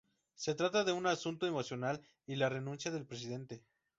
Se trata de un asunto emocional y la renuncia del Presidente.